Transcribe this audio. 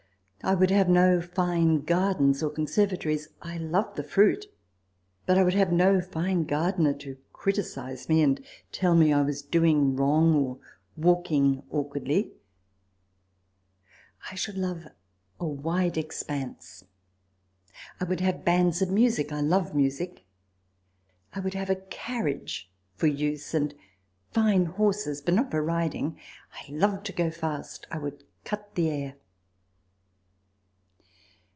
I would have no fine gardens or con servatories I love the fruit ; but I would have no fine gardener to criticise me, and tell me I was doing wrong, or walking awkwardly I should love a wide expanse I would have bands of music I love music I would have a carriage for use, 134 RECOLLECTIONS OF THE and fine horses, but not for riding I love to go fast I would cut the air.